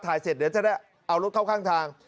เสร็จเดี๋ยวจะได้เอารถเข้าข้างทาง